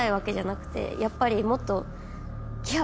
やっぱりもっと。